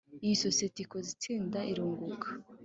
Iyo sosiyete ikoze itsinda irunguka